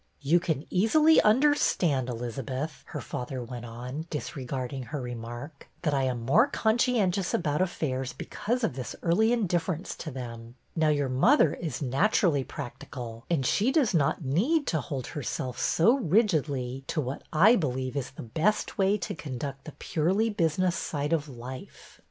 You can easily understand, Elizabeth," her father went on, disregarding her remark, that I am more conscientious about affairs because of this early indifference to them. Now your mother is naturally practical, and she does not need to hold herself so rigidly to what I believe is the best way to conduct the purely business side of life.